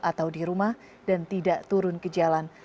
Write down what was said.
atau di rumah dan tidak turun ke jalan